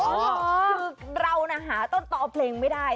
คือเราน่ะหาต้นต่อเพลงไม่ได้